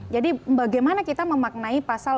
jadi bagaimana kita memaknai pasal empat ratus tujuh puluh satu